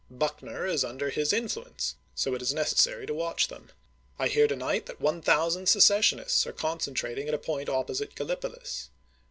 Buckner is under his influence, so it is necessary to watch them. I hear to night that one thousand seces sionists are concentrating at a point opposite Gallipohs.